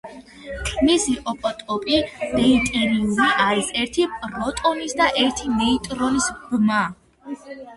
მისი იზოტოპი დეიტერიუმი არის ერთი პროტონის და ერთი ნეიტრონის ბმა.